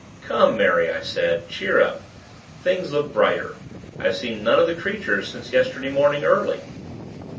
'Come, Mary,' I said. 'Cheer up! Things look brighter. I've seen none of the creatures since yesterday morning, early.'